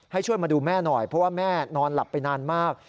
ให้ช่วยมาดูแม่หน่อยเพราะว่าแม่นอนหลับไปนานมาก